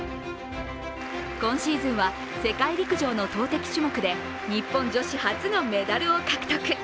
今シーズンは世界陸上の投てき種目で日本女子初のメダルを獲得。